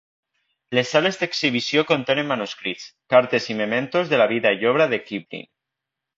Les sales d'exhibició contenen manuscrits, cartes i mementos de la vida i obra de Kipling.